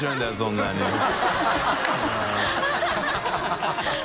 ハハハ